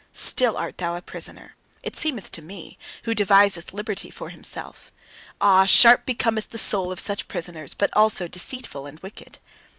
Still art thou a prisoner it seemeth to me who deviseth liberty for himself: ah! sharp becometh the soul of such prisoners, but also deceitful and wicked.